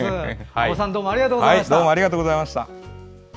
安保さんどうもありがとうございました。